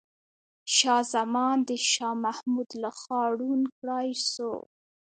شاه زمان د شاه محمود لخوا ړوند کړاي سو.